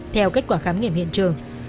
theo kết quả khám nghiệm hiện trường